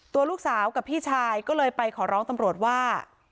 ตัวลูกสาวกับพี่ชายก็เลยไปขอร้องตำรวจว่า